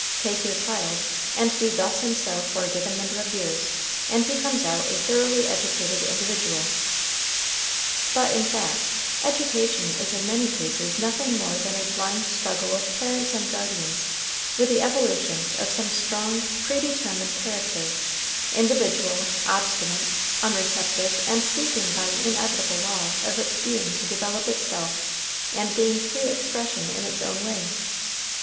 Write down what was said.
Take your child, and do thus and so for a given number of years, and he comes out a thoroughly educated individual. But in fact, education is in many cases nothing more than a blind struggle of parents and guardians with the evolutions of some strong, predetermined character, individual, obstinate, unreceptive, and seeking by an inevitable law of its being to develop itself and gain free expression in its own way.